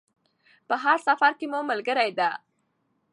په هر سفر کې مو ملګرې ده.